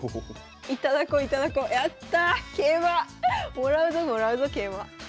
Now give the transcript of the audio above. もらうぞもらうぞ桂馬。